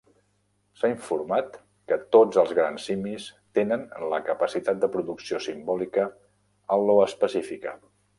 S'ha informat que tots els grans simis tenen la capacitat de producció simbòlica al·loespecífica.